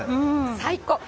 最高。